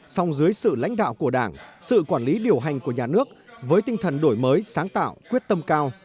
song dưới sự lãnh đạo của đảng sự quản lý điều hành của nhà nước với tinh thần đổi mới sáng tạo quyết tâm cao